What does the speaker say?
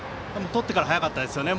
とってから早かったですよね。